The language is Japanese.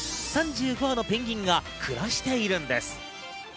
３５羽のペンギンが暮らしているんです。